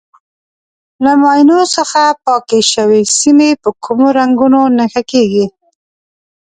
له ماینو څخه پاکې شوې سیمې په کومو رنګونو نښه کېږي.